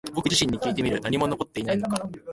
僕自身にきいてみる。何も残っていないのか？